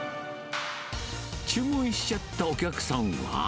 注文しちゃったお客さんは。